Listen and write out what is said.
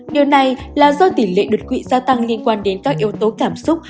điều này là do tỷ lệ đột quỵ gia tăng liên quan đến các yếu tố cảm xúc